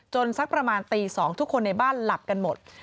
สักประมาณตี๒ทุกคนในบ้านหลับกันหมด